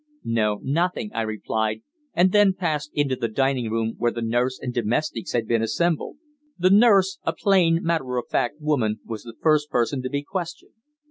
"No, nothing," I replied, and then passed into the dining room, where the nurse and domestics had been assembled. The nurse, a plain matter of fact woman, was the first person to be questioned.